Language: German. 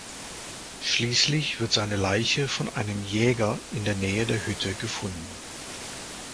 Schließlich wird seine Leiche von einem Jäger in der Nähe der Hütte gefunden.